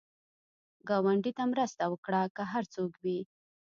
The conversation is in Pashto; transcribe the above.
ګاونډي ته مرسته وکړه، که هر څوک وي